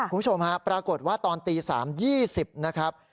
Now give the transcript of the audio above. คุณผู้ชมฮะปรากฏว่าตอนตี๓๒๐นะครับ